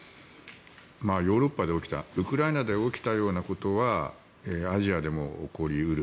ヨーロッパで起きたウクライナで起きたようなことはアジアでも起こり得る。